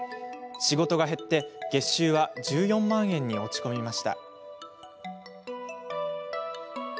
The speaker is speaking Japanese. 仕事が減り月収は１４万円に落ち込みました。